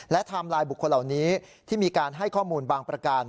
และทำลายบุคคลเหล่านี้ที่ให้มีข้อมูลบางประการ